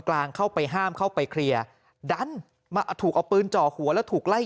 กลางเข้าไปห้ามเข้าไปเคลียร์ดันมาถูกเอาปืนจ่อหัวแล้วถูกไล่